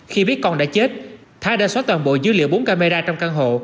khi biết con đã chết thái đã xóa toàn bộ dữ liệu bốn camera trong căn hộ